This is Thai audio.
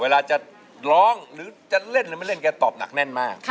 เวลาจะร้องหรือจะเล่นหรือไม่เล่นแกตอบหนักแน่นมาก